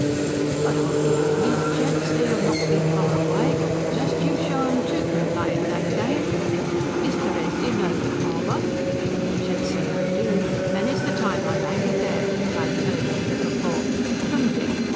But I'll give you the 'int, gents. They'll not be far away. Jus' you show 'em two can play at that game. Mr. S., you know the h'arbour!" "Should say I do! Many's the time I've anchored there," cried Purdy with a guffaw. "Come, Dick!"